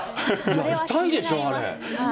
痛いでしょ、あれ。